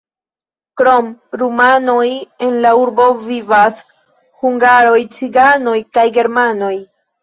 Krom rumanoj, en la urbo vivas hungaroj, ciganoj kaj germanoj.